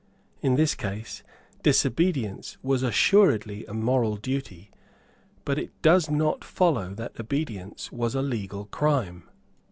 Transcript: In this case, disobedience was assuredly a moral duty; but it does not follow that obedience was a legal crime.